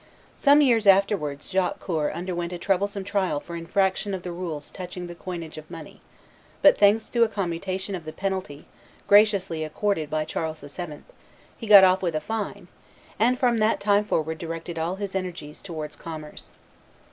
Some years afterwards Jacques Coeur underwent a troublesome trial for infraction of the rules touching the coinage of money; but thanks to a commutation of the penalty, graciously accorded by Charles VII., he got off with a fine, and from that time forward directed all his energies towards commerce.